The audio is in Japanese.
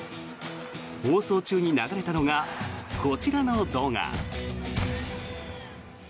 放送中に流れたのがこちらの動画。